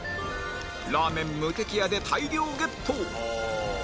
ラーメン無敵家で大量ゲット！